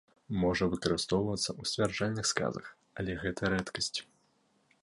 Можа выкарыстоўвацца ў сцвярджальных сказах, але гэта рэдкасць.